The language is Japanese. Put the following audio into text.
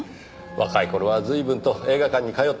若い頃は随分と映画館に通ったものです。